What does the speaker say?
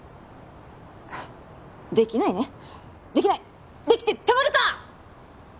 できないねできないできてたまるか！